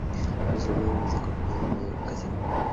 nuestro amigo nos ha copiado un casete